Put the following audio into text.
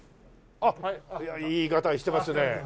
あっいいがたいしてますね。